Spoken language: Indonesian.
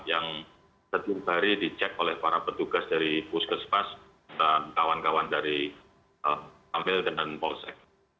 yang setiap hari dicek oleh para petugas dari puskesmas dan kawan kawan dari amel dan polsek